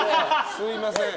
すみません。